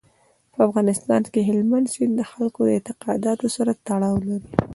په افغانستان کې هلمند سیند د خلکو له اعتقاداتو سره تړاو لري.